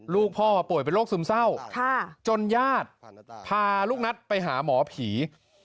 ลูกพ่อป่วยเป็นโรคซึมเศร้าจนญาติพาลูกนัทไปหาหมอผี